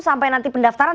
sampai nanti pendaftaran